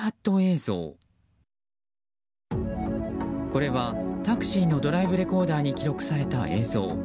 これはタクシーのドライブレコーダーに記録された映像。